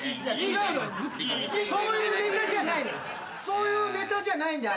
そういうネタじゃないんだ。